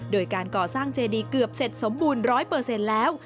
โดยการก่อสร้างเจดีเกือบเสร็จสมบูรณ์๑๐๐แล้ว